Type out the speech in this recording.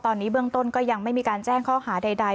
ตอนนี้เบื้องต้นก็ยังไม่มีการแจ้งข้อหาใด